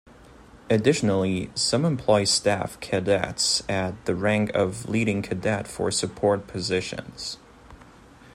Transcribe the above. Additionally, some employ staff cadets at the rank of Leading Cadet for support positions.